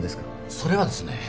それはですね